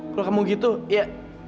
kalau kamu gitu ya